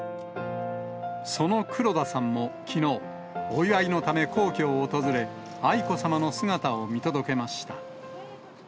その黒田さんもきのう、お祝いのため、皇居を訪れ、愛子さまの姿を見届けました。